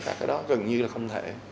và cái đó gần như là không thể